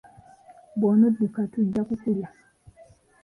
Bw'onodukka tujja kukulya!